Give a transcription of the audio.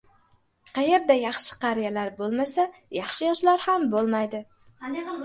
• Qayerda yaxshi qariyalar bo‘lmasa, yaxshi yoshlar ham bo‘lmaydi.